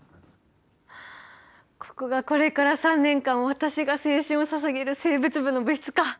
ここがこれから３年間私が青春をささげる生物部の部室か。